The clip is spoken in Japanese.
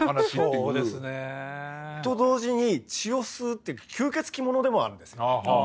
そうですね。と同時に血を吸うって吸血鬼ものでもあるんです。